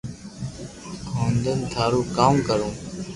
ھونن ٿارو ڪاو ڪرو